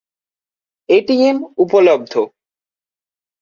ATM উপলব্ধ